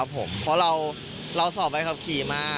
เพราะเราสอบใบขับขี่มา